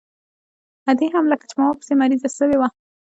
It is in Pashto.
ادې هم لکه چې په ما پسې مريضه سوې وه.